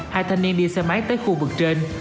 hai thanh niên đi xe máy tới khu vực trên